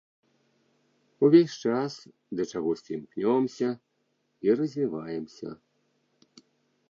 Увесь час да чагосьці імкнёмся і развіваемся.